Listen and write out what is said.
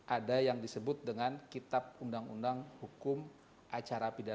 ada yang disebut dengan kitab undang undang hukum acara pidana